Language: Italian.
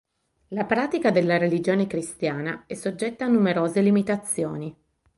La pratica della religione cristiana è soggetta a numerose limitazioni.